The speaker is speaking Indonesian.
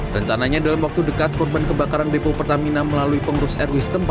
rencananya dalam waktu dekat korban kebakaran depo pertamina melalui pengurus rw setempat